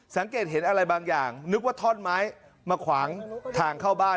สังเกตเห็นอะไรบางอย่างนึกว่าท่อนไม้มาขวางทางเข้าบ้าน